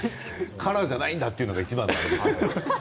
カラーじゃないんだというのが、いちばんの。